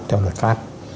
trong luật áp